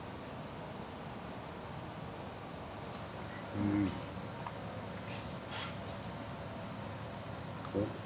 うん。おっ。